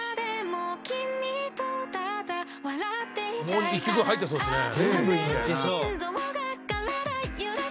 「もう１曲入ってそうですね」